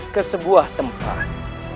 ke sebuah tempat